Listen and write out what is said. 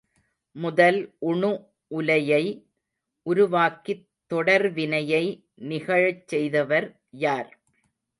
முதல் உணு உலையை உருவாக்கித் தொடர்வினையை நிகழச் செய்தவர் யார்?